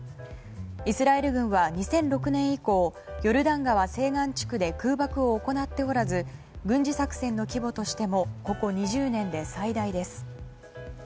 イスラエル軍は２００６年以降ヨルダン川西岸地区で空爆を行っておらず軍事作戦の規模としてもここ２０年で最大です。